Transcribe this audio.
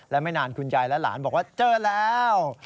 และไม่นานคุณยายและหลานบอกว่าเจอแล้ว